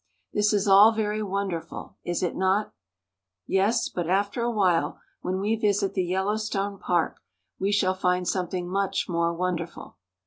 This is all very wonderful, is it not? Yes ; but after a while, when we visit the Yellowstone Park, we shall find something much more wonderful.